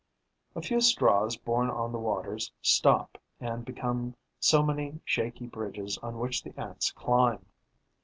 A few straws borne on the waters stop and become so many shaky bridges on which the Ants climb.